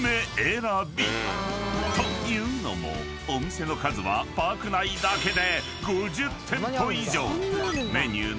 ［というのもお店の数はパーク内だけで］